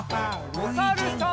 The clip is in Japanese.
おさるさん。